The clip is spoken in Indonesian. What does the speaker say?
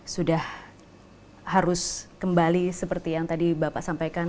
sudah harus kembali seperti yang tadi bapak sampaikan